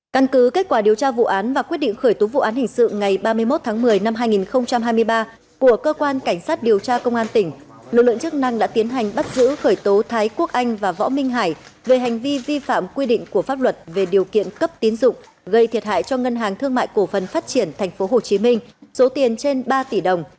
cân cứ kết quả điều tra vụ án và quyết định khởi tố vụ án hình sự ngày ba mươi một tháng một mươi năm hai nghìn hai mươi ba của cơ quan cảnh sát điều tra công an tỉnh lực lượng chức năng đã tiến hành bắt giữ khởi tố thái quốc anh và võ minh hải về hành vi vi phạm quy định của pháp luật về điều kiện cấp tín dụng gây thiệt hại cho ngân hàng thương mại cổ phần phát triển tp hcm số tiền trên ba tỷ đồng